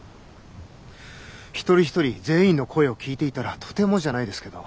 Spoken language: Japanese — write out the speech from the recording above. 一人一人全員の声を聞いていたらとてもじゃないですけど。